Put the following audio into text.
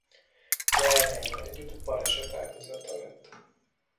Leányával együtt baleset áldozata lett.